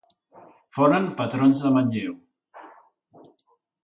Foren patrons de Manlleu.